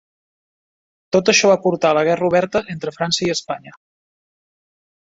Tot això va portar a la guerra oberta entre França i Espanya.